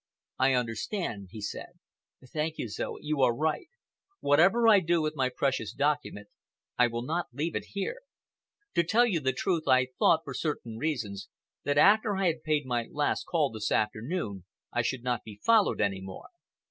"I understand," he said. "Thank you, Zoe. You are right. Whatever I do with my precious document, I will not leave it here. To tell you the truth, I thought, for certain reasons, that after I had paid my last call this afternoon I should not be followed any more.